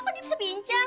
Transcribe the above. kok dia bisa bincang